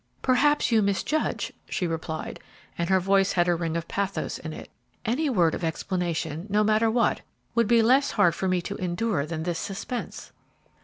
"Perhaps you misjudge," she replied, and her voice had a ring of pathos in it; "any word of explanation no matter what would be less hard for me to endure than this suspense."